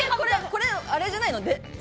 これあれじゃないの？